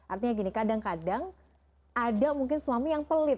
artinya gini kadang kadang ada mungkin suami yang pelit